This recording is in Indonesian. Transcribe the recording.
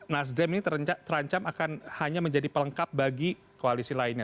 nasdem ini terancam akan hanya menjadi pelengkap bagi koalisi lainnya